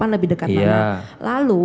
lebih dekat mana iya lalu